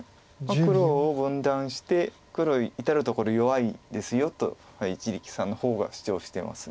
黒を分断して黒至る所弱いですよと一力さんの方が主張してます。